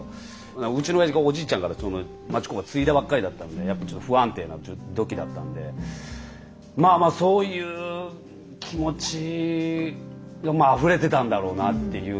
うちのおやじがおじいちゃんからその町工場継いだばっかりだったんでやっぱちょっと不安定なときだったんでまあまあそういう気持ちあふれてたんだろうなっていうのはね